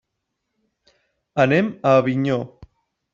Anem a Avinyó.